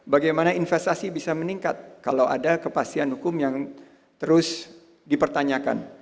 bagaimana investasi bisa meningkat kalau ada kepastian hukum yang terus dipertanyakan